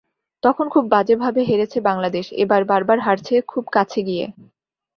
তখন খুব বাজেভাবে হেরেছে বাংলাদেশ, এবার বারবার হারছে খুব কাছে গিয়ে।